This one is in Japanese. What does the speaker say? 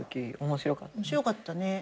面白かったね。